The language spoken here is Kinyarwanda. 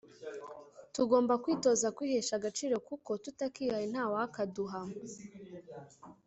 Tugomba kwitoza kwihesha agaciro kuko tutakihaye ntawakaduha